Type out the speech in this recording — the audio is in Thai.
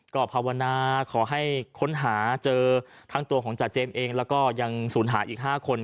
ก็ภาวนาขอให้ค้นหาเจอทั้งตัวของจาเจมส์เองแล้วก็ยังศูนย์หายอีก๕คน